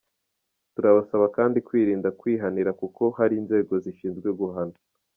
Turabasaba kandi kwirinda kwihanira kuko hari inzego zishinzwe guhana.